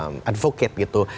untuk advocate gitu